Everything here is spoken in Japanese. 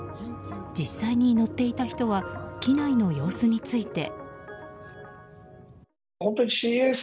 実際に乗っていた人は機内の様子について。